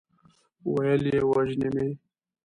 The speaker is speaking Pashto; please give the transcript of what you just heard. ويې ويل: وژني مې؟